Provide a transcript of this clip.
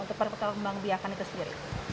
untuk perkembangan biakan itu sendiri